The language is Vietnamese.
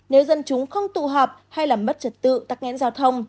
nếu dân chúng không tụ họp hay làm mất trật tự tắc nghẽn giao thông